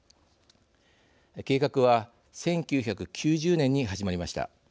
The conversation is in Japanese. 計画は、１９９０年に始まりました。